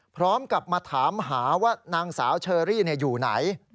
พร้อมกับมาถามหาว่านางสาวเชอรี่อยู่ไหน